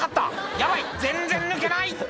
「ヤバい全然抜けない！」